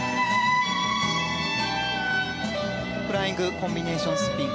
フライングコンビネーションスピン。